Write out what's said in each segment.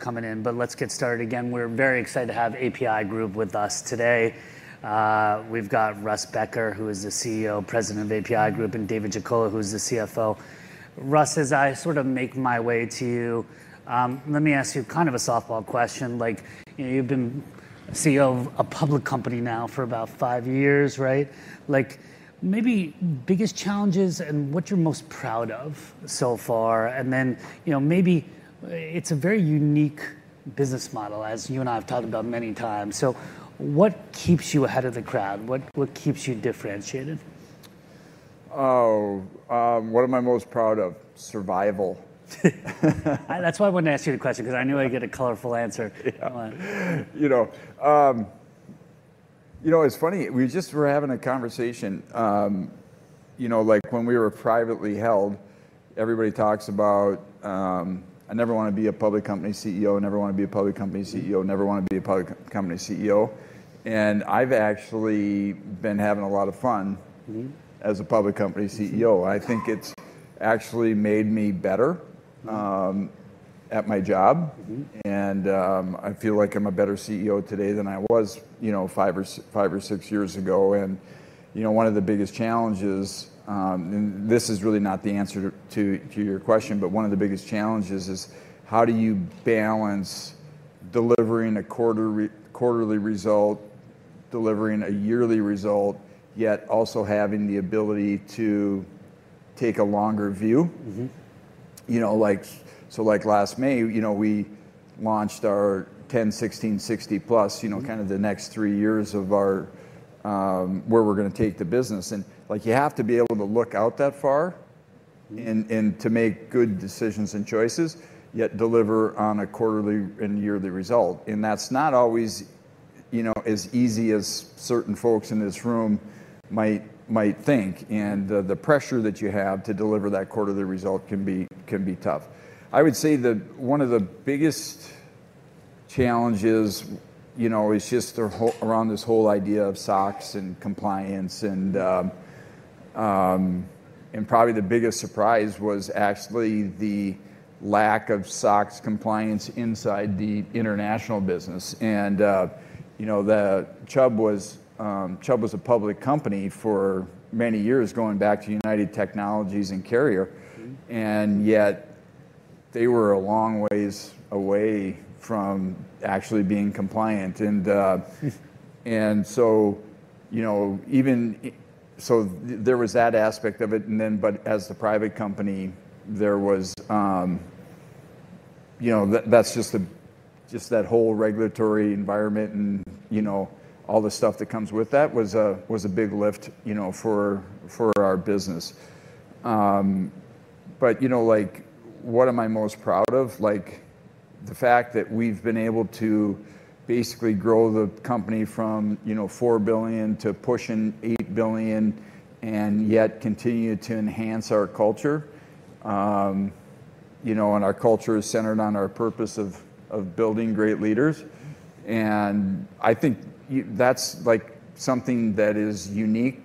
Coming in, but let's get started again. We're very excited to have APi Group with us today. We've got Russ Becker, who is the CEO, President of APi Group, and David Jackola, who is the CFO. Russ, as I sort of make my way to you, let me ask you kind of a softball question. Like, you know, you've been CEO of a public company now for about five years, right? Like, maybe biggest challenges and what you're most proud of so far, and then, you know, maybe it's a very unique business model, as you and I have talked about many times. So what keeps you ahead of the crowd? What, what keeps you differentiated? Oh, what am I most proud of? Survival. That's why I wouldn't ask you the question, because I knew I'd get a colorful answer. Yeah. Come on. You know, you know, it's funny, we just were having a conversation, you know, like, when we were privately held, everybody talks about, "I never wanna be a public company CEO. I never wanna be a public company CEO. I never wanna be a public company CEO." And I've actually been having a lot of fun- Mm-hmm... as a public company CEO. I think it's actually made me better.... at my job. And, I feel like I'm a better CEO today than I was, you know, five or six years ago. And, you know, one of the biggest challenges, and this is really not the answer to your question, but one of the biggest challenges is: How do you balance delivering a quarterly result, delivering a yearly result, yet also having the ability to take a longer view? You know, like, so like last May, you know, we launched our 10/16/60+.... you know, kind of the next three years of our, where we're gonna take the business. And, like, you have to be able to look out that far-... and to make good decisions and choices, yet deliver on a quarterly and yearly result. That's not always, you know, as easy as certain folks in this room might think, and the pressure that you have to deliver that quarterly result can be tough. I would say that one of the biggest challenges, you know, is just around this whole idea of SOX, and compliance, and. Probably the biggest surprise was actually the lack of SOX compliance inside-... the international business. And, you know, the Chubb was, Chubb was a public company for many years, going back to United Technologies and Carrier. And yet, they were a long ways away from actually being compliant. And so, you know, even so there was that aspect of it, and then but as the private company, there was, you know, that's just that whole regulatory environment, and, you know, all the stuff that comes with that was a big lift, you know, for our business. But, you know, like, what am I most proud of? Like, the fact that we've been able to basically grow the company from, you know, $4 billion to pushing $8 billion, and yet continue to enhance our culture. You know, and our culture is centered on our purpose of building great leaders, and I think that's, like, something that is unique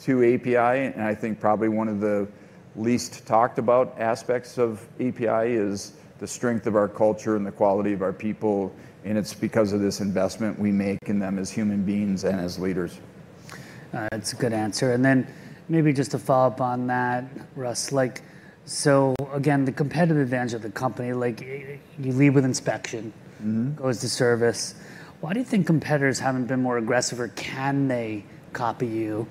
to APi. I think probably one of the least talked about aspects of APi is the strength of our culture and the quality of our people, and it's because of this investment we make in them as human beings and as leaders. That's a good answer. Then maybe just to follow up on that, Russ, like, so again, the competitive advantage of the company, like, you lead with inspection-... goes to service. Why do you think competitors haven't been more aggressive, or can they copy you?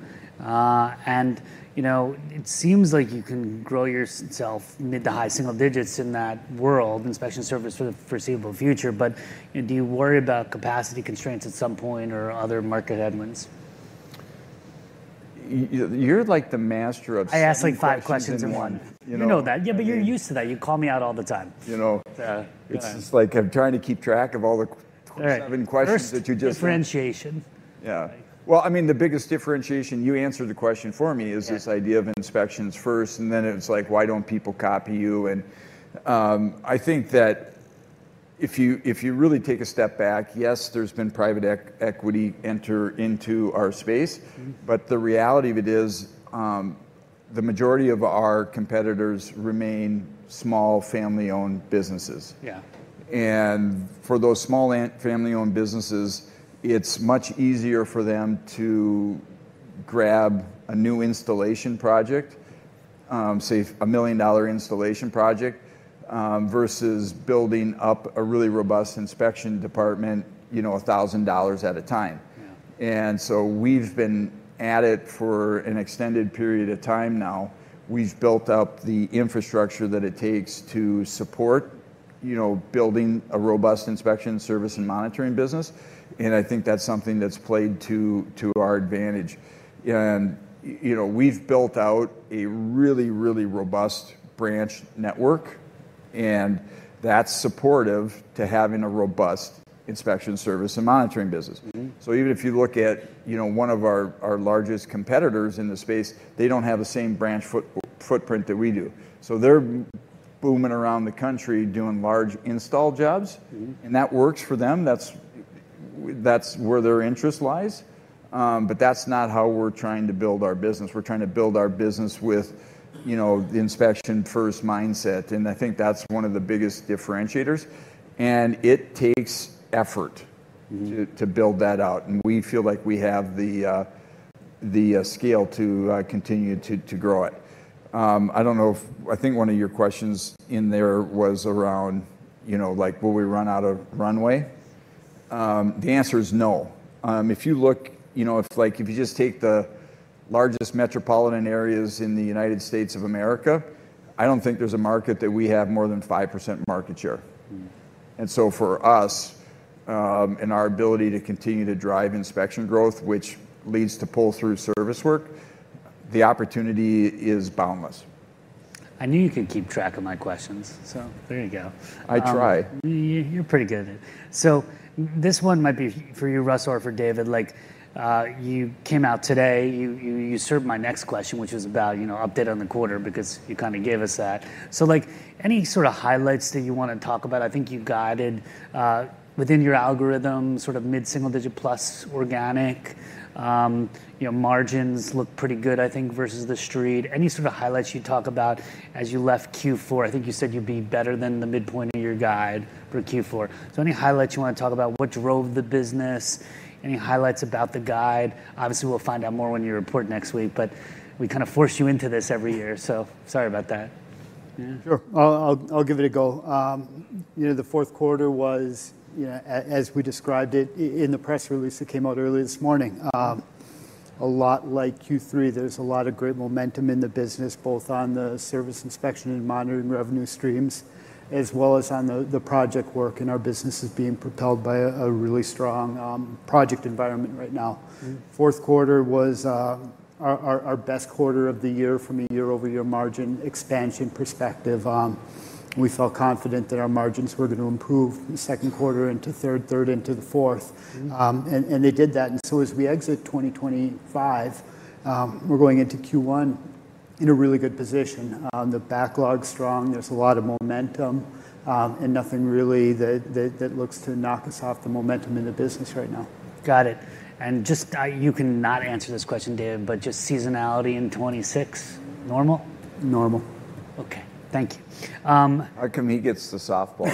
And, you know, it seems like you can grow yourself mid- to high-single-digits in that world, inspection service, for the foreseeable future, but, do you worry about capacity constraints at some point or other market headwinds? You're, like, the master of asking questions- I asked, like, five questions in one. You know- You know that. Yeah, but you're used to that. You call me out all the time. You know- Yeah, go ahead.... it's just, like, I'm trying to keep track of all the q- All right... seven questions that you just- Differentiation. Yeah. Like- Well, I mean, the biggest differentiation, you answered the question for me- Yeah... is this idea of inspections first, and then it's like, "Why don't people copy you?" And, I think that if you, if you really take a step back, yes, there's been private equity enter into our space. But the reality of it is, the majority of our competitors remain small, family-owned businesses. Yeah. For those small and family-owned businesses, it's much easier for them to grab a new installation project, say, a $1 million installation project, versus building up a really robust inspection department, you know, $1,000 at a time. Yeah. We've been at it for an extended period of time now. We've built up the infrastructure that it takes to support, you know, building a robust inspection service and monitoring business, and I think that's something that's played to our advantage. You know, we've built out a really, really robust branch network, and that's supportive to having a robust inspection service and monitoring business. So even if you look at, you know, one of our largest competitors in the space, they don't have the same branch footprint that we do. So they're booming around the country, doing large install jobs. And that works for them. That's where their interest lies, but that's not how we're trying to build our business. We're trying to build our business with, you know, the inspection-first mindset, and I think that's one of the biggest differentiators. And it takes effort.... to build that out, and we feel like we have the scale to continue to grow it. I don't know if—I think one of your questions in there was around, you know, like, will we run out of runway? The answer is no. If you look—you know, if, like, if you just take the largest metropolitan areas in the United States of America, I don't think there's a market that we have more than 5% market share. And so for us, and our ability to continue to drive inspection growth, which leads to pull-through service work, the opportunity is boundless. I knew you could keep track of my questions, so there you go. I try. You, you're pretty good at it. So this one might be for you, Russ, or for David. Like, you came out today, you served my next question, which was about, you know, update on the quarter, because you kinda gave us that. So, like, any sorta highlights that you wanna talk about? I think you guided, within your algorithm, sort of mid-single digit plus organic. You know, margins look pretty good, I think, versus the street. Any sort of highlights you'd talk about as you left Q4? I think you said you'd be better than the midpoint of your guide for Q4. So any highlights you wanna talk about? What drove the business? Any highlights about the guide? Obviously, we'll find out more when you report next week, but we kinda force you into this every year, so sorry about that. Sure. I'll give it a go. You know, the fourth quarter was, you know, as we described it in the press release that came out earlier this morning, a lot like Q3. There's a lot of great momentum in the business, both on the service inspection and monitoring revenue streams, as well as on the project work, and our business is being propelled by a really strong project environment right now. Fourth quarter was our best quarter of the year from a year-over-year margin expansion perspective. We felt confident that our margins were gonna improve second quarter into third, third into the fourth. And they did that, and so as we exit 2025, we're going into Q1 in a really good position. The backlog's strong, there's a lot of momentum, and nothing really that looks to knock us off the momentum in the business right now. Got it. And just, you can not answer this question, David, but just seasonality in 2026, normal? Normal. Okay, thank you. How come he gets the softball?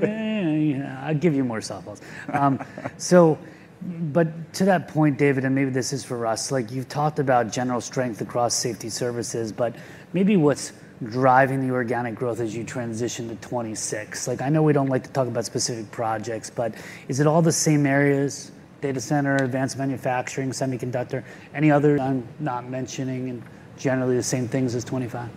Yeah, I'll give you more softballs. So but to that point, David, and maybe this is for Russ, like, you've talked about general strength Safety Services, but maybe what's driving the organic growth as you transition to 26? Like, I know we don't like to talk about specific projects, but is it all the same areas, data center, advanced manufacturing, semiconductor? Any other I'm not mentioning, and generally the same things as 25?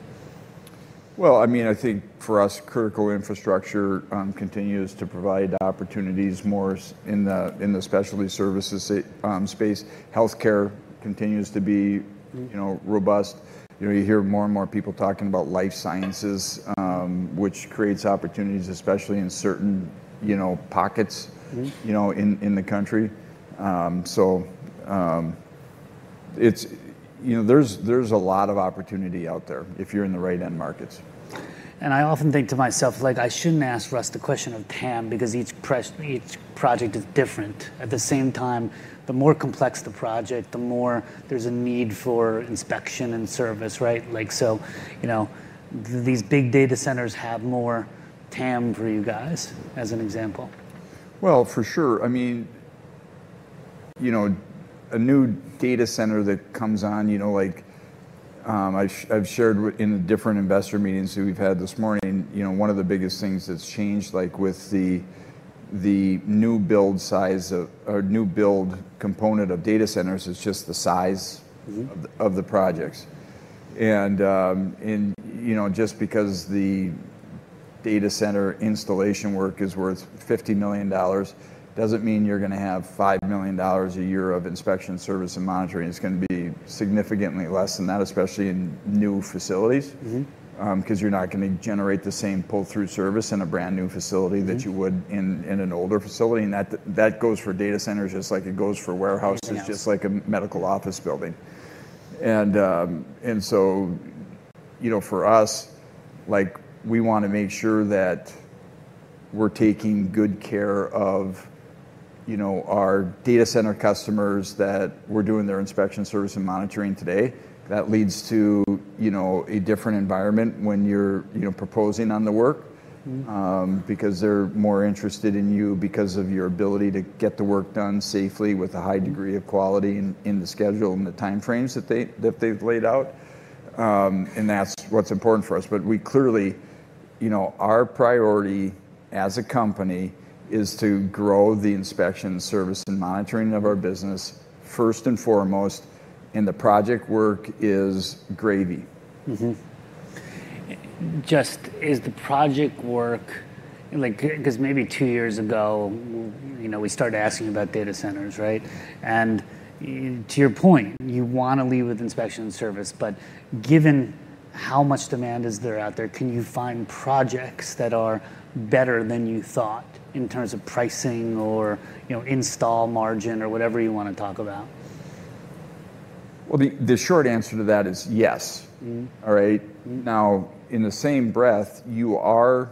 Well, I mean, I think for us, critical infrastructure continues to provide opportunities more so in Specialty Services space. Healthcare continues to be-... you know, robust. You know, you hear more and more people talking about life sciences, which creates opportunities, especially in certain, you know, pockets-... you know, in the country. So, it's you know, there's a lot of opportunity out there if you're in the right end markets. I often think to myself, like, I shouldn't ask Russ the question of TAM, because each project is different. At the same time, the more complex the project, the more there's a need for inspection and service, right? Like, so, you know, these big data centers have more TAM for you guys, as an example. Well, for sure. I mean, you know, a new data center that comes on, you know, like, I've shared in the different investor meetings that we've had this morning, you know, one of the biggest things that's changed, like, with the new build size of, or new build component of data centers, is just the size-... of the projects. And, you know, just because the data center installation work is worth $50 million, doesn't mean you're gonna have $5 million a year of inspection, service, and monitoring. It's gonna be significantly less than that, especially in new facilities. 'Cause you're not gonna generate the same pull-through service in a brand-new facility-... that you would in an older facility, and that goes for data centers, just like it goes for warehouses- Everything.... just like a medical office building. And so, you know, for us, like, we wanna make sure that we're taking good care of, you know, our data center customers that we're doing their inspection, service, and monitoring today. That leads to, you know, a different environment when you're, you know, proposing on the work. Because they're more interested in you because of your ability to get the work done safely with a high degree of quality in the schedule and the time frames that they've laid out. And that's what's important for us, but we clearly... You know, our priority as a company is to grow the inspection, service, and monitoring of our business first and foremost, and the project work is gravy. Just, is the project work... Like, 'cause maybe two years ago, you know, we started asking about data centers, right? And, to your point, you wanna lead with inspection and service, but given how much demand is there out there, can you find projects that are better than you thought in terms of pricing or, you know, install margin or whatever you wanna talk about?... Well, the short answer to that is yes. All right? Now, in the same breath, you are,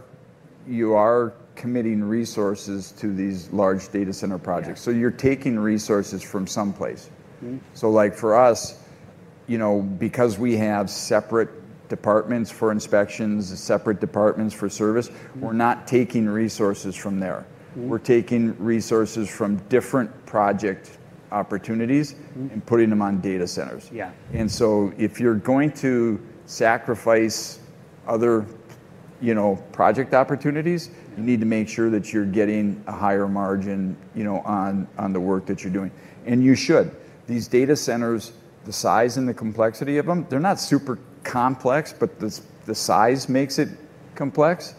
you are committing resources to these large data center projects. Yeah. So you're taking resources from some place. So, like, for us, you know, because we have separate departments for inspections and separate departments for service-... we're not taking resources from there. We're taking resources from different project opportunities-... and putting them on data centers. Yeah. And so if you're going to sacrifice other, you know, project opportunities-... you need to make sure that you're getting a higher margin, you know, on the work that you're doing, and you should. These data centers, the size and the complexity of them, they're not super complex, but the size makes it complex.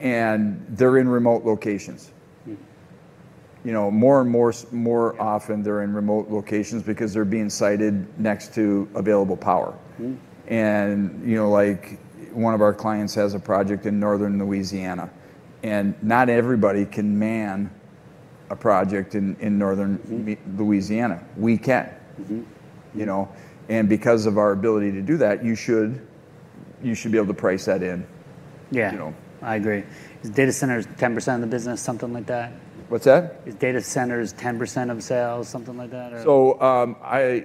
They're in remote locations. You know, more and more often, they're in remote locations because they're being sited next to available power. You know, like, one of our clients has a project in northern Louisiana, and not everybody can man a project in northern-... Louisiana. We can. You know, and because of our ability to do that, you should, you should be able to price that in. Yeah. You know? I agree. Is data centers 10% of the business, something like that? What's that? Is data centers 10% of sales, something like that, or- So,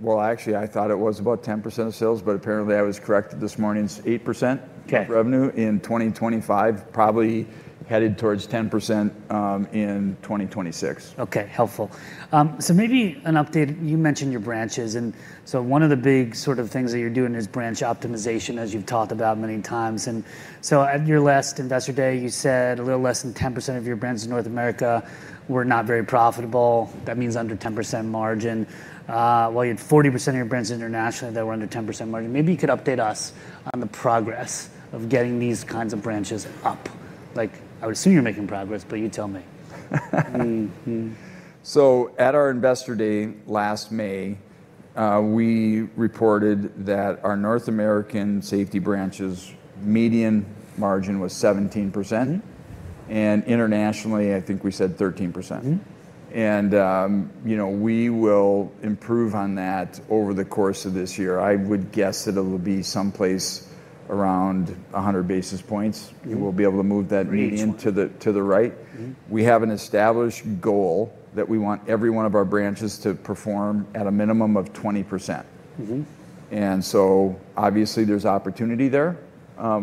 well, actually, I thought it was about 10% of sales, but apparently I was corrected this morning. It's 8%- Okay... revenue in 2025. Probably headed towards 10%, in 2026. Okay, helpful. So maybe an update. You mentioned your branches, and so one of the big sort of things that you're doing is branch optimization, as you've talked about many times. And so at your last Investor Day, you said a little less than 10% of your branches in North America were not very profitable. That means under 10% margin. While you had 40% of your branches internationally that were under 10% margin. Maybe you could update us on the progress of getting these kinds of branches up. Like, I would assume you're making progress, but you tell me. So at our Investor Day last May, we reported that our North American Safety branches' median margin was 17%. Internationally, I think we said 13%. You know, we will improve on that over the course of this year. I would guess that it'll be some place around 100 basis points. We will be able to move that median- Great... to the right. We have an established goal that we want every one of our branches to perform at a minimum of 20%. And so obviously, there's opportunity there,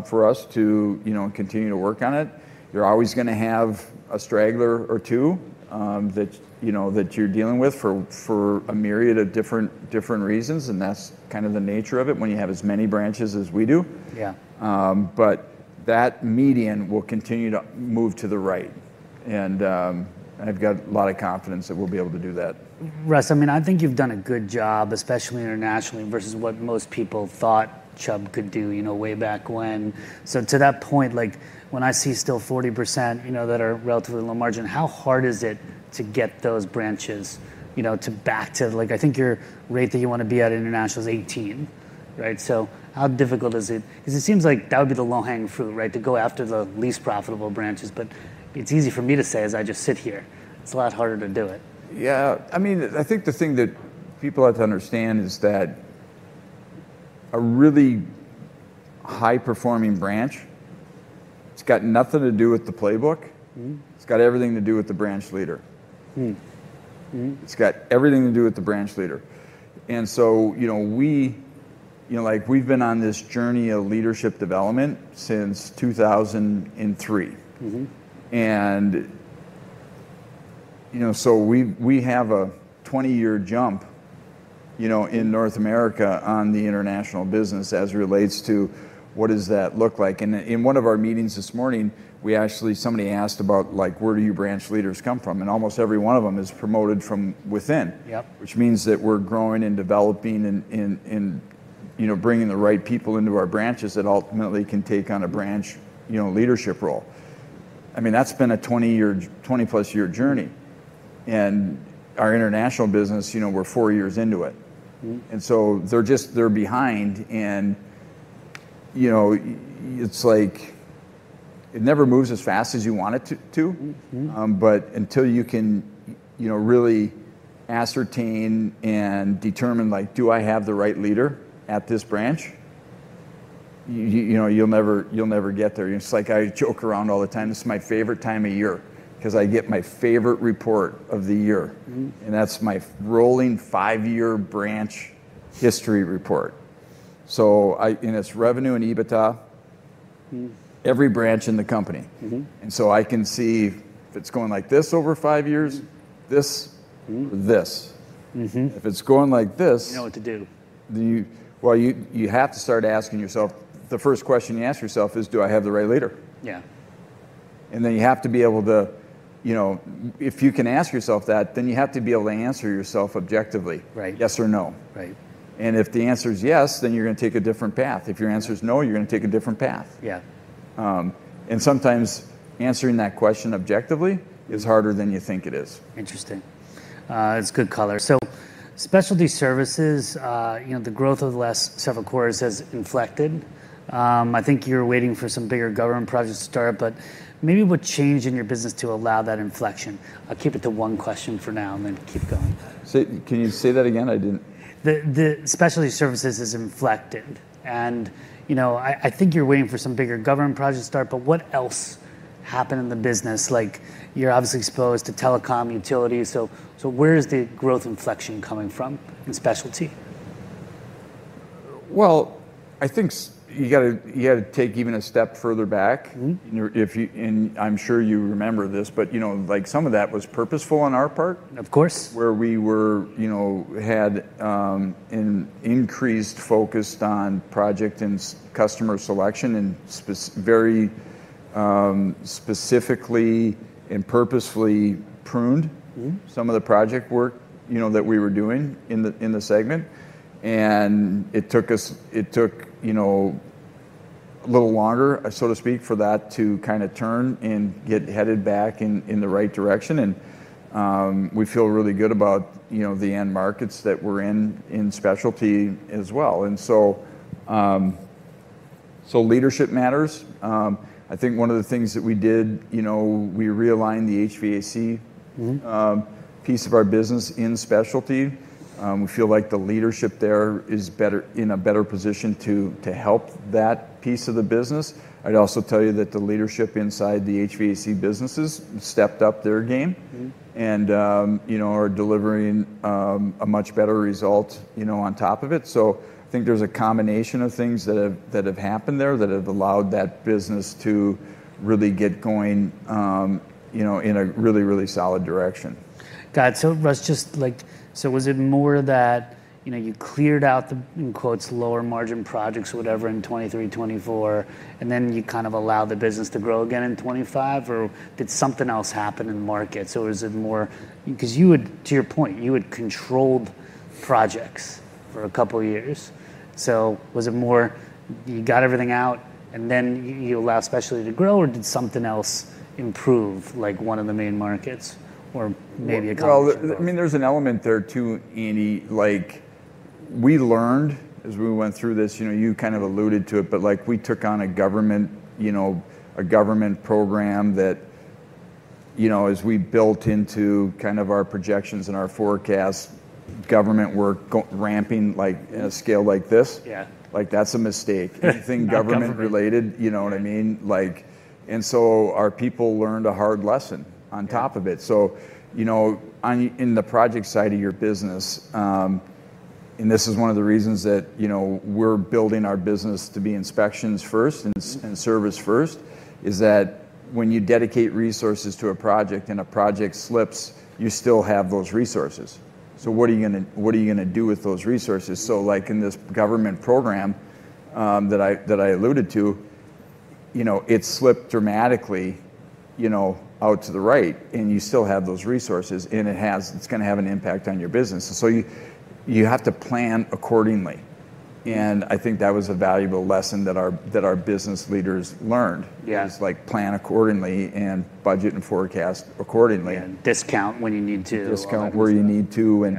for us to, you know, continue to work on it. You're always gonna have a straggler or two, that, you know, that you're dealing with for a myriad of different reasons, and that's kind of the nature of it when you have as many branches as we do. Yeah. But that median will continue to move to the right, and I've got a lot of confidence that we'll be able to do that. Russ, I mean, I think you've done a good job, especially internationally, versus what most people thought Chubb could do, you know, way back when. So to that point, like, when I see still 40%, you know, that are relatively low margin, how hard is it to get those branches, you know, to back to, like, I think your rate that you wanna be at international is 18, right? So how difficult is it? 'Cause it seems like that would be the low-hanging fruit, right? To go after the least profitable branches. But it's easy for me to say, as I just sit here. It's a lot harder to do it. Yeah. I mean, I think the thing that people have to understand is that a really high-performing branch, it's got nothing to do with the playbook. It's got everything to do with the branch leader. It's got everything to do with the branch leader. And so, you know, you know, like, we've been on this journey of leadership development since 2003. You know, so we have a 20-year jump, you know, in North America on the international business as it relates to, what does that look like? And in one of our meetings this morning, we actually, somebody asked about, like, "Where do you branch leaders come from?" And almost every one of them is promoted from within- Yep... which means that we're growing and developing and you know, bringing the right people into our branches that ultimately can take on a branch, you know, leadership role. I mean, that's been a 20+ year journey, and our international business, you know, we're four years into it. So they're just, they're behind, and, you know, it's like, it never moves as fast as you want it to. But until you can, you know, really ascertain and determine, like, "Do I have the right leader at this branch?" you know, you'll never, you'll never get there. It's like I joke around all the time, this is my favorite time of year, 'cause I get my favorite report of the year. That's my rolling five-year branch history report. It's revenue and EBITDA.... every branch in the company. And so I can see if it's going like this over five years...... this-... this. If it's going like this- You know what to do.... well, you have to start asking yourself, the first question you ask yourself is, "Do I have the right leader? Yeah. Then you have to be able to, you know... If you can ask yourself that, then you have to be able to answer yourself objectively. Right. Yes or no? Right. And if the answer is yes, then you're gonna take a different path. If your answer is no, you're gonna take a different path. Yeah. Sometimes answering that question objectively is harder than you think it is. Interesting. It's good Specialty Services, you know, the growth over the last several quarters has inflected. I think you're waiting for some bigger government projects to start, but maybe what changed in your business to allow that inflection? I'll keep it to one question for now, and then keep going. Can you say that again? I didn't- Specialty Services is inflected, and you know, I think you're waiting for some bigger government projects to start, but what else happened in the business? Like, you're obviously exposed to telecom, utilities, so where is the growth inflection coming from in Specialty? Well, I think you gotta, you gotta take even a step further back. And if you, and I'm sure you remember this, but, you know, like, some of that was purposeful on our part- Of course... where we were, you know, had an increased focus on project and customer selection, and very specifically and purposefully pruned-... some of the project work, you know, that we were doing in the segment. And it took us, you know, a little longer, so to speak, for that to kind of turn and get headed back in the right direction. And we feel really good about, you know, the end markets that we're in in Specialty as well. And so leadership matters. I think one of the things that we did, you know, we realigned the HVAC-... piece of our business in Specialty. We feel like the leadership there is better, in a better position to help that piece of the business. I'd also tell you that the leadership inside the HVAC businesses stepped up their game-... and, you know, are delivering a much better result, you know, on top of it. So I think there's a combination of things that have happened there that have allowed that business to really get going, you know, in a really, really solid direction. Got it. So Russ, just, like, so was it more that, you know, you cleared out the, in quotes, "lower margin projects" or whatever, in 2023, 2024, and then you kind of allowed the business to grow again in 2025? Or did something else happen in the market? So was it more... Because you had, to your point, you had controlled projects for a couple of years. So was it more, you got everything out, and then you, you allowed Specialty to grow, or did something else improve, like, one of the main markets or maybe a competition? Well, I mean, there's an element there, too, Andy. Like, we learned, as we went through this, you know, you kind of alluded to it, but, like, we took on a government, you know, a government program that, you know, as we built into kind of our projections and our forecasts, government were ramping, like- Yeah... in a scale like this. Yeah. Like, that's a mistake- Government... anything government-related, you know what I mean? Like, and so our people learned a hard lesson on top of it. Yeah. So, you know, on the project side of your business, and this is one of the reasons that, you know, we're building our business to be inspections first.... and service first, is that when you dedicate resources to a project, and a project slips, you still have those resources. So what are you gonna, what are you gonna do with those resources? So, like, in this government program that I alluded to, you know, it slipped dramatically, you know, out to the right, and you still have those resources, and it's gonna have an impact on your business, so you have to plan accordingly. And I think that was a valuable lesson that our business leaders learned- Yeah... is, like, plan accordingly, and budget and forecast accordingly. Yeah. Discount when you need to. Discount where you need to.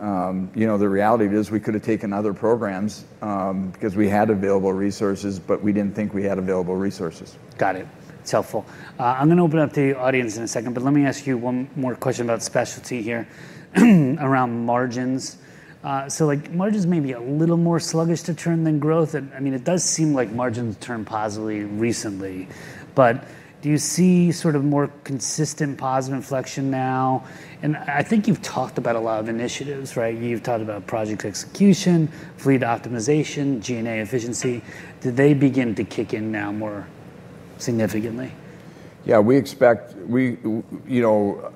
Yeah. You know, the reality is, we could have taken other programs, because we had available resources, but we didn't think we had available resources. Got it. It's helpful. I'm gonna open up to the audience in a second, but let me ask you one more question about Specialty here, around margins. So, like, margins may be a little more sluggish to turn than growth. I mean, it does seem like margins turned positively recently, but do you see sort of more consistent positive inflection now? And I think you've talked about a lot of initiatives, right? You've talked about project execution, fleet optimization, G&A efficiency. Did they begin to kick in now more significantly? Yeah, we expect... We, you know,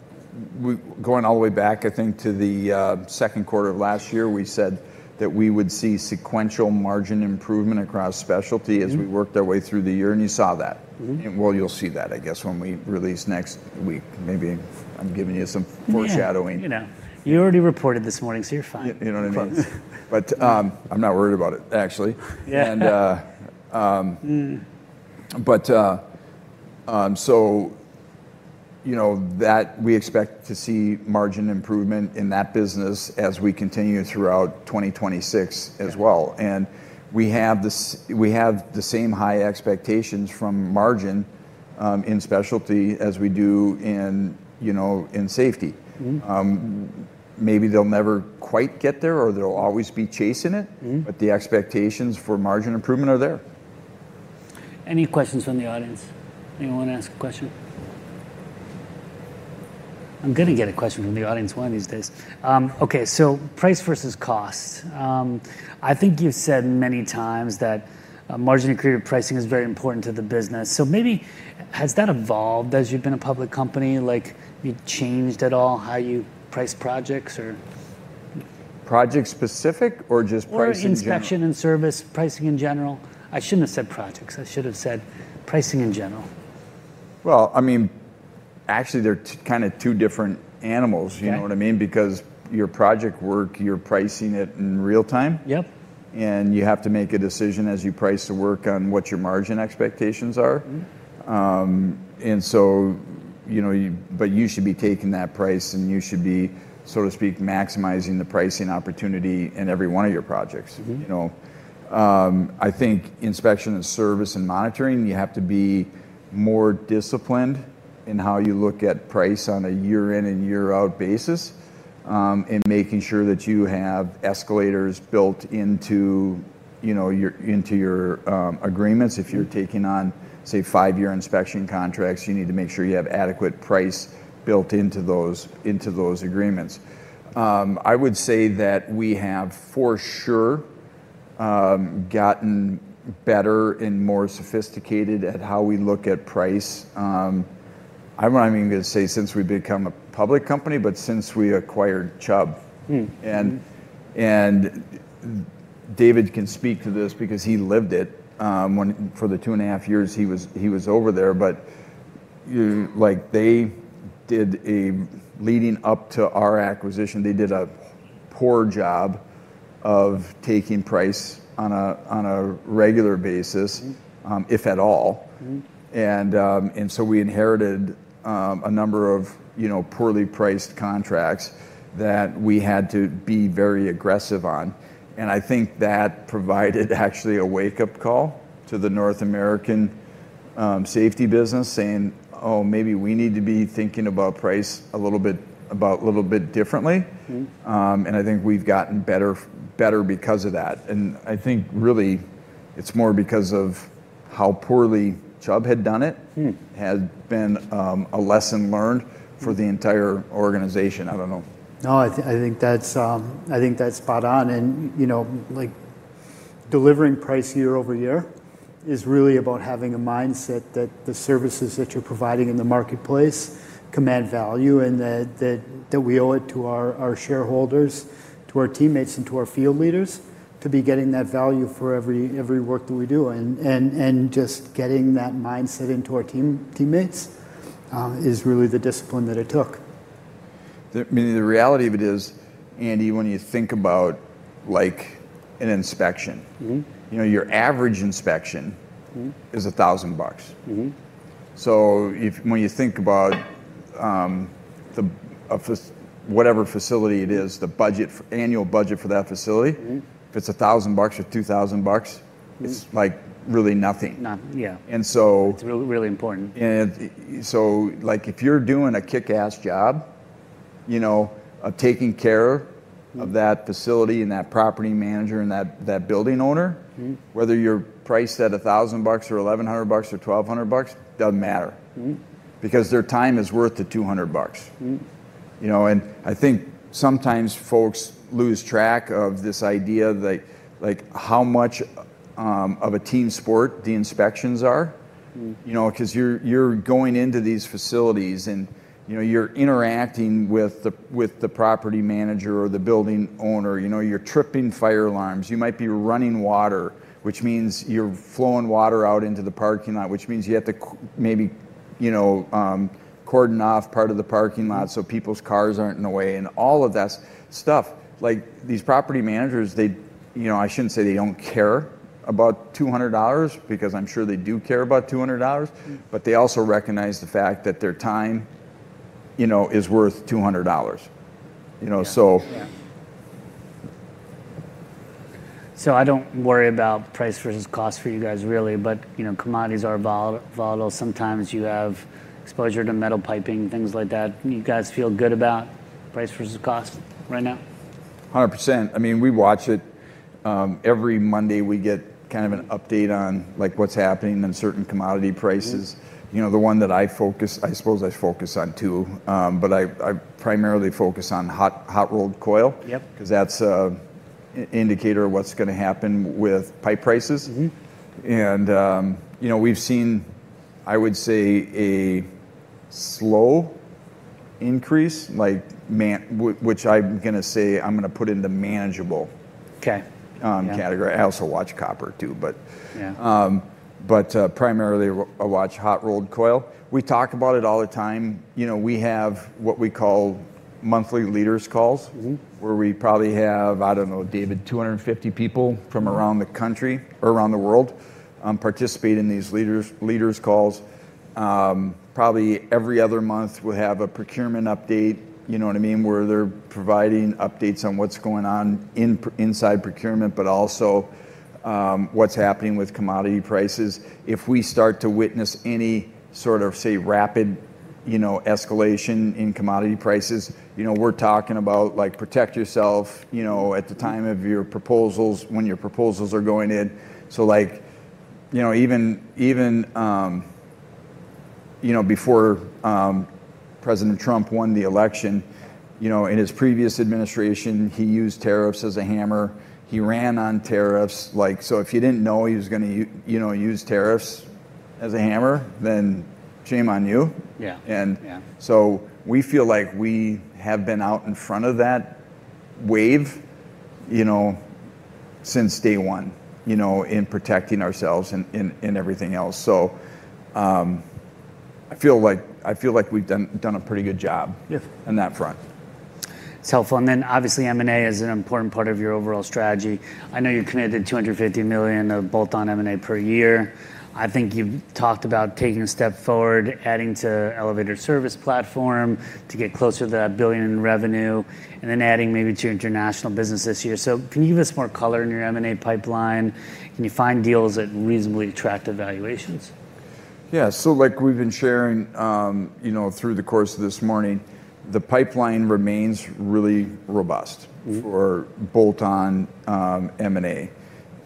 going all the way back, I think, to the second quarter of last year, we said that we would see sequential margin improvement across Specialty-... as we worked our way through the year, and you saw that. Well, you'll see that, I guess, when we release next week. Maybe I'm giving you some foreshadowing. Yeah. You know, you already reported this morning, so you're fine. You know what I mean? But, I'm not worried about it, actually. Yeah. And, uh, um-... but, so you know, that we expect to see margin improvement in that business as we continue throughout 2026 as well. Yeah. We have the same high expectations from margin in Specialty as we do in, you know, in Safety. Maybe they'll never quite get there, or they'll always be chasing it-... but the expectations for margin improvement are there. Any questions from the audience? Anyone want to ask a question? I'm gonna get a question from the audience one of these days. Okay, so price versus cost. I think you've said many times that a margin-accretive pricing is very important to the business. So maybe, has that evolved as you've been a public company? Like, you changed at all how you price projects or...? Project specific or just pricing in general? Inspection and service, pricing in general. I shouldn't have said projects. I should have said pricing in general. Well, I mean, actually, they're kind of two different animals- Okay... you know what I mean? Because your project work, you're pricing it in real time. Yep. You have to make a decision as you price the work on what your margin expectations are. You know, but you should be taking that price, and you should be, so to speak, maximizing the pricing opportunity in every one of your projects. You know, I think inspection, and service, and monitoring, you have to be more disciplined in how you look at price on a year-in and year-out basis, in making sure that you have escalators built into, you know, your agreements. If you're taking on, say, five-year inspection contracts, you need to make sure you have adequate price built into those, into those agreements. I would say that we have, for sure, gotten better and more sophisticated at how we look at price. I'm not even gonna say since we've become a public company, but since we acquired Chubb. David can speak to this because he lived it, when, for the 2.5 years he was over there. But, you know, like, they did leading up to our acquisition, they did a poor job of taking price on a regular basis-... if at all. We inherited a number of, you know, poorly priced contracts that we had to be very aggressive on, and I think that provided actually a wake-up call to the North American Safety business, saying, "Oh, maybe we need to be thinking about price a little bit about a little bit differently. I think we've gotten better because of that. I think, really, it's more because of how poorly Chubb had done it-... had been, a lesson learned for the entire organization. I don't know. No, I think that's, I think that's spot on. And, you know, like, delivering price year-over-year is really about having a mindset that the services that you're providing in the marketplace command value, and that, that, that we owe it to our, our shareholders, to our teammates, and to our field leaders, to be getting that value for every, every work that we do. And just getting that mindset into our teammates is really the discipline that it took. I mean, the reality of it is, Andy, when you think about, like, an inspection-... you know, your average inspection-... is $1,000. So, if when you think about the whatever facility it is, the annual budget for that facility-... if it's $1,000 or $2,000, it's, like, really nothing. Noth- yeah. And so- It's really, really important.... And so, like, if you're doing a kick-ass job, you know, of taking care of that facility, and that property manager, and that building owner-... whether you're priced at $1,000, or $1,100, or $1,200, doesn't matter. Because their time is worth $200. You know, and I think sometimes folks lose track of this idea that, like, how much of a team sport the inspections are. You know, 'cause you're going into these facilities, and, you know, you're interacting with the property manager or the building owner. You know, you're tripping fire alarms. You might be running water, which means you're flowing water out into the parking lot, which means you have to maybe, you know, cordon off part of the parking lot, so people's cars aren't in the way, and all of that stuff. Like, these property managers, they... You know, I shouldn't say they don't care about $200, because I'm sure they do care about $200-... but they also recognize the fact that their time, you know, is worth $200. You know, so- Yeah. Yeah. So I don't worry about price versus cost for you guys, really, but, you know, commodities are volatile. Sometimes you have exposure to metal piping, things like that. Do you guys feel good about price versus cost right now? 100%. I mean, we watch it. Every Monday, we get kind of an update on, like, what's happening in certain commodity prices. You know, the one that I focus... I suppose I focus on, too, but I, I primarily focus on hot-rolled coil- Yep... 'cause that's an indicator of what's gonna happen with pipe prices. And, you know, we've seen, I would say, a slow increase, like, which I'm gonna say, I'm gonna put into manageable- Okay, yeah... category. I also watch copper, too, but- Yeah... but primarily, I watch hot-rolled coil. We talk about it all the time. You know, we have what we call monthly leaders' calls-... where we probably have, I don't know, David, 250 people from around the country, or around the world, participate in these leaders, leaders' calls. Probably every other month, we'll have a procurement update, you know what I mean? Where they're providing updates on what's going on inside procurement, but also, what's happening with commodity prices. If we start to witness any sort of, say, rapid, you know, escalation in commodity prices, you know, we're talking about, like, protect yourself, you know, at the time of your proposals, when your proposals are going in. So like, you know, even, even, you know, before President Trump won the election, you know, in his previous administration, he used tariffs as a hammer. He ran on tariffs. Like, so if you didn't know he was gonna you know, use tariffs as a hammer, then shame on you. Yeah. And- Yeah... so we feel like we have been out in front of that wave, you know, since day one, you know, in protecting ourselves, and everything else. So, I feel like we've done a pretty good job- Yeah... on that front.... cellphone, then obviously M&A is an important part of your overall strategy. I know you've committed $250 million of bolt-on M&A per year. I think you've talked about taking a step forward, adding to elevator service platform to get closer to that $1 billion in revenue, and then adding maybe to your international business this year. So can you give us more color in your M&A pipeline? Can you find deals at reasonably attractive valuations? Yeah. So like we've been sharing, you know, through the course of this morning, the pipeline remains really robust- -for bolt-on M&A.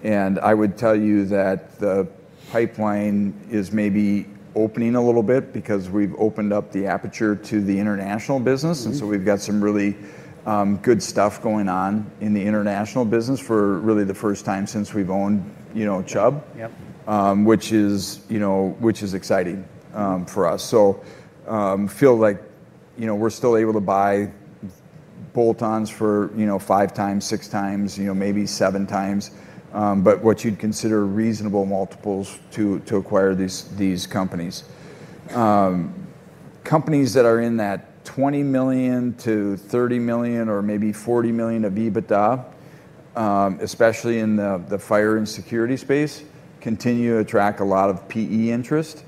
And I would tell you that the pipeline is maybe opening a little bit because we've opened up the aperture to the international business. And so we've got some really good stuff going on in the international business for really the first time since we've owned, you know, Chubb. Yep. Which is, you know, which is exciting for us. So, feel like, you know, we're still able to buy bolt-ons for, you know, 5x, 6x, maybe 7x. But what you'd consider reasonable multiples to acquire these companies. Companies that are in that 20 million-30 million or maybe 40 million of EBITDA, especially in the fire and security space, continue to attract a lot of PE interest-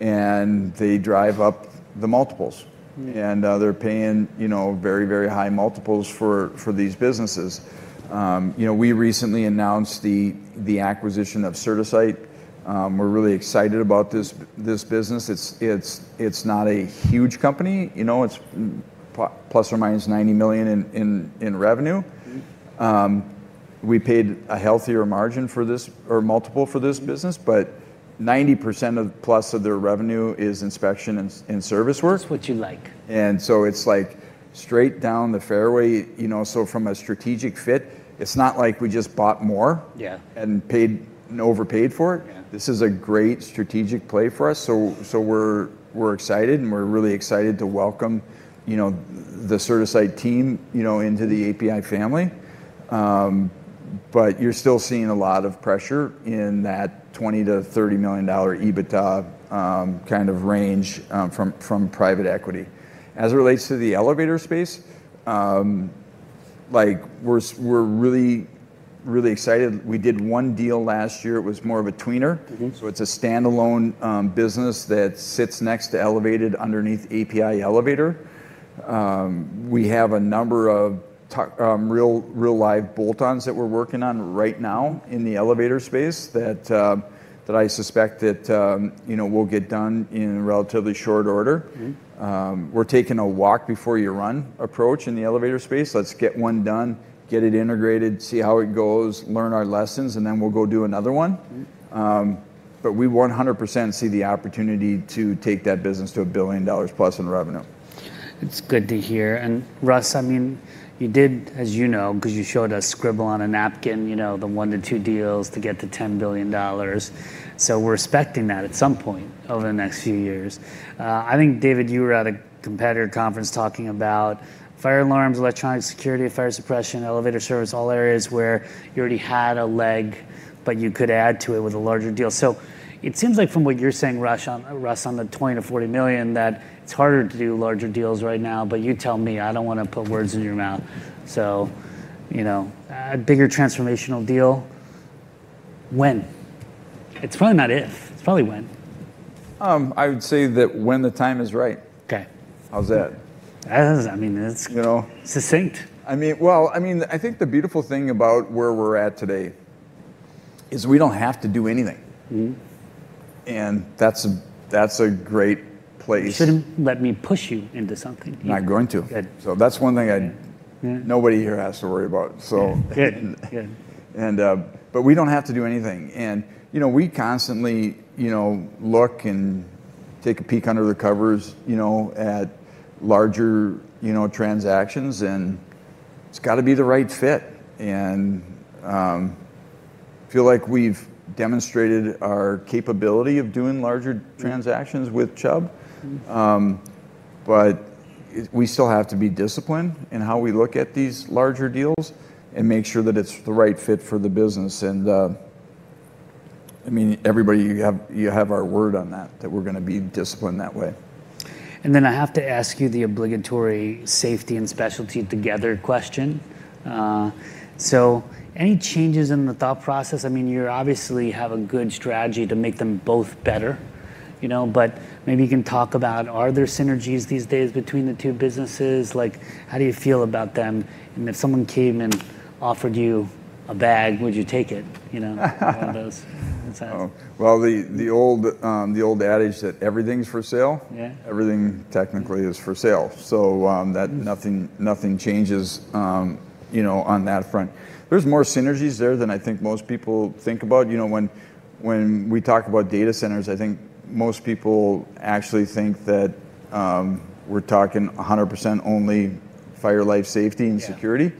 and they drive up the multiples. They're paying, you know, very, very high multiples for these businesses. You know, we recently announced the acquisition of CertaSite. We're really excited about this business. It's not a huge company, you know, it's ±$90 million in revenue. We paid a healthier margin for this, or multiple for this business-... but 90% of, plus of their revenue is inspection and service work. That's what you like. And so it's, like, straight down the fairway, you know. So from a strategic fit, it's not like we just bought more- Yeah... and paid, and overpaid for it. Yeah. This is a great strategic play for us. So we're excited, and we're really excited to welcome, you know, the CertaSite team, you know, into the APi family. But you're still seeing a lot of pressure in that $20 million-$30 million EBITDA kind of range from private equity. As it relates to the elevator space, like, we're really, really excited. We did one deal last year. It was more of a tweener. So it's a standalone business that sits next to Elevated underneath APi Elevator. We have a number of real, real live bolt-ons that we're working on right now in the elevator space, that that I suspect that, you know, will get done in relatively short order. We're taking a walk before you run approach in the elevator space. Let's get one done, get it integrated, see how it goes, learn our lessons, and then we'll go do another one. But we 100% see the opportunity to take that business to $1+ billion in revenue. It's good to hear. Russ, I mean, you did, as you know, 'cause you showed a scribble on a napkin, you know, the 1-2 deals to get to $10 billion. We're expecting that at some point over the next few years. I think, David, you were at a competitor conference talking about fire alarms, electronic security, fire suppression, elevator service, all areas where you already had a leg, but you could add to it with a larger deal. It seems like from what you're saying, Russ, Russ, on the $20 million-$40 million, that it's harder to do larger deals right now. You tell me, I don't wanna put words in your mouth. You know, a bigger transformational deal, when? It's probably not if, it's probably when. I would say that when the time is right. Okay. How's that? That is, I mean, it's- You know... succinct. I mean... Well, I mean, I think the beautiful thing about where we're at today is we don't have to do anything. That's a great place. You shouldn't let me push you into something. I'm not going to. Good. That's one thing I- Yeah... nobody here has to worry about, so- Good, good... but we don't have to do anything. You know, we constantly, you know, look and take a peek under the covers, you know, at larger, you know, transactions, and it's gotta be the right fit. Feel like we've demonstrated our capability of doing larger-... transactions with Chubb. But we still have to be disciplined in how we look at these larger deals, and make sure that it's the right fit for the business. And, I mean, everybody, you have, you have our word on that, that we're gonna be disciplined that way. Then I have to ask you the obligatory Safety and Specialty together question. So any changes in the thought process? I mean, you obviously have a good strategy to make them both better, you know, but maybe you can talk about, are there synergies these days between the two businesses? Like, how do you feel about them? And if someone came and offered you a bag, would you take it, you know—one of those? What's that? Well, the old adage that everything's for sale- Yeah... everything technically is for sale. So, that, nothing, nothing changes, you know, on that front. There's more synergies there than I think most people think about. You know, when we talk about data centers, I think most people actually think that, we're talking 100% only Fire, Life Safety, and Security.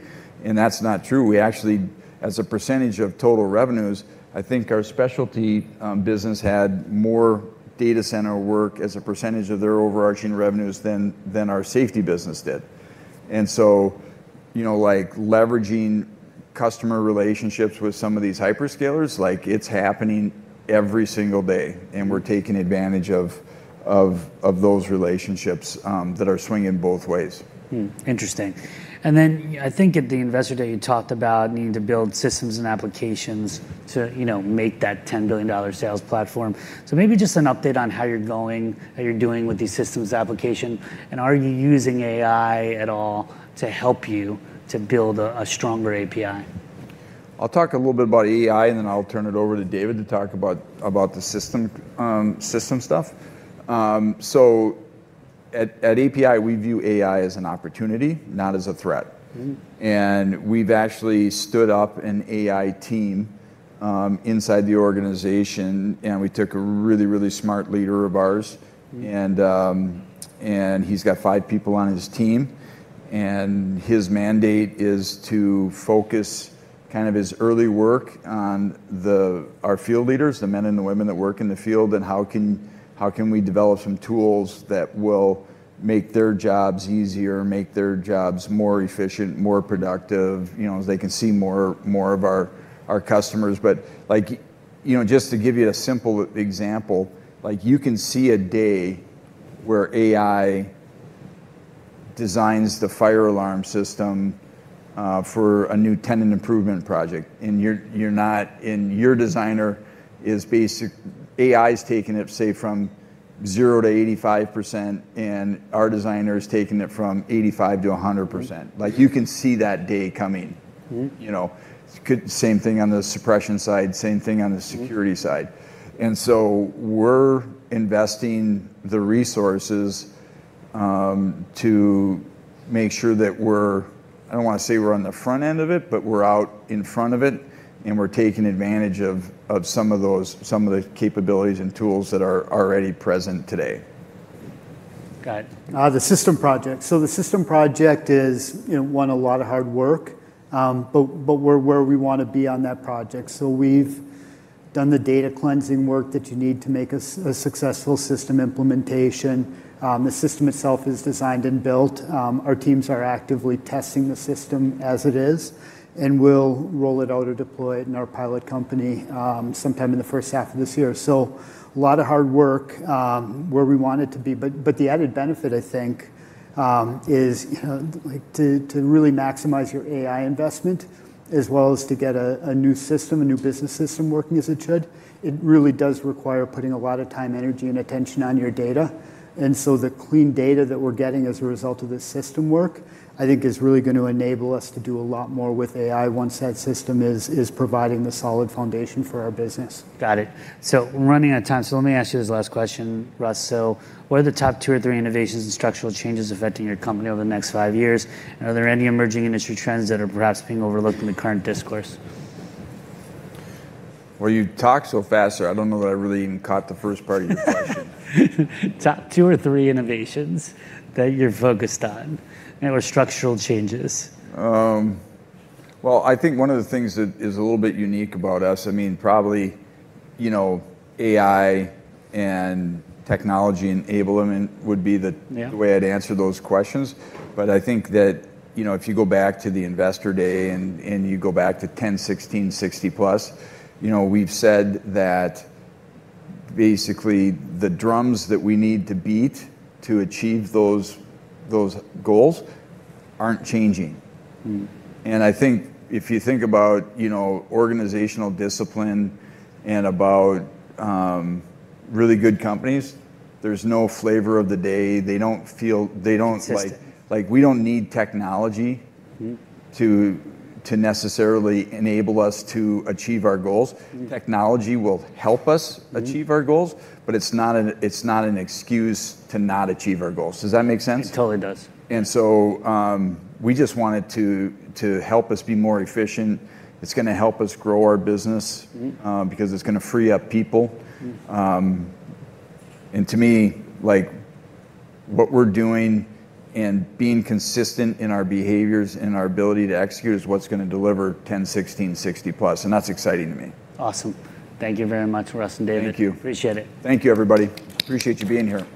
Yeah. That's not true. We actually, as a percentage of total revenues, I think our Specialty business had more data center work as a percentage of their overarching revenues than our Safety business did. So, you know, like, leveraging customer relationships with some of these hyperscalers, like, it's happening every single day, and we're taking advantage of those relationships that are swinging both ways. Hmm, interesting. And then I think at the Investor Day, you talked about needing to build systems and applications to, you know, make that $10 billion sales platform. So maybe just an update on how you're going, how you're doing with these systems application, and are you using AI at all to help you to build a stronger APi? I'll talk a little bit about AI, and then I'll turn it over to David to talk about the system stuff. So at APi, we view AI as an opportunity, not as a threat. We've actually stood up an AI team inside the organization, and we took a really, really smart leader of ours- and he's got five people on his team, and his mandate is to focus kind of his early work on our field leaders, the men and the women that work in the field, and how can we develop some tools that will make their jobs easier, make their jobs more efficient, more productive? You know, they can see more of our customers. But like, you know, just to give you a simple example, like, you can see a day where AI designs the fire alarm system for a new tenant improvement project, and you're not— and your designer is basic. AI is taking it, say, from 0-85%, and our designer is taking it from 85%-100%. Like, you can see that day coming. You know, same thing on the suppression side, same thing on the-... security side. And so we're investing the resources to make sure that we're, I don't want to say we're on the front end of it, but we're out in front of it, and we're taking advantage of some of those, some of the capabilities and tools that are already present today. Got it. The system project. So the system project is, you know, one, a lot of hard work. But, but we're where we want to be on that project. So we've done the data cleansing work that you need to make a successful system implementation. The system itself is designed and built. Our teams are actively testing the system as it is, and we'll roll it out or deploy it in our pilot company, sometime in the first half of this year. So a lot of hard work, where we want it to be. But, but the added benefit, I think, is, like, to, to really maximize your AI investment as well as to get a, a new system, a new business system working as it should. It really does require putting a lot of time, energy, and attention on your data. The clean data that we're getting as a result of this system work, I think, is really going to enable us to do a lot more with AI, once that system is providing the solid foundation for our business. Got it. So we're running out of time, so let me ask you this last question, Russ. So what are the top two or three innovations and structural changes affecting your company over the next five years? And are there any emerging industry trends that are perhaps being overlooked in the current discourse? Well, you talk so fast, sir, I don't know that I really even caught the first part of your question. Top two or three innovations that you're focused on and/or structural changes? Well, I think one of the things that is a little bit unique about us, I mean, probably, you know, AI and technology enablement would be the- Yeah... the way I'd answer those questions. But I think that, you know, if you go back to the Investor Day, and you go back to 10/16/60+, you know, we've said that basically, the drums that we need to beat to achieve those, those goals aren't changing. I think if you think about, you know, organizational discipline and about, really good companies, there's no flavor of the day. They don't feel-- they don't, like- Consistent. Like, we don't need technology-... to necessarily enable us to achieve our goals. Technology will help us-... achieve our goals, but it's not an excuse to not achieve our goals. Does that make sense? It totally does. We just want it to help us be more efficient. It's gonna help us grow our business-... because it's gonna free up people. To me, like, what we're doing and being consistent in our behaviors and our ability to execute is what's gonna deliver 10/16/60+, and that's exciting to me. Awesome. Thank you very much, Russ and David. Thank you. Appreciate it. Thank you, everybody. Appreciate you being here.